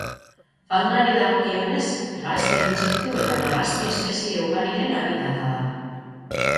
Faunari dagokionez, hegazti, intsektu eta narrasti espezie ugariren habitata da.